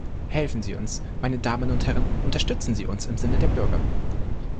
Helfen Sie uns, meine Damen und Herren, unterstützen Sie uns im Sinne der Bürger!